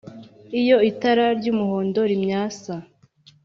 Iyo itara ry'umuhondo rimyatsa